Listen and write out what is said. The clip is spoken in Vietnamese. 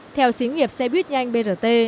theo xí nghiệp xe bít nhanh brt